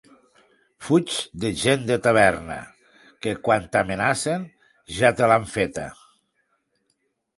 Fuig de gent de taverna, que quan t'amenacen ja te l'han feta.